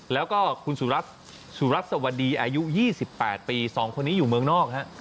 แล้วก็คุณสุรัสวดีอายุ๒๘ปี๒คนนี้อยู่เมืองนอกฮะ